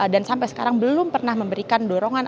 dan sampai sekarang belum pernah memberikan dorongan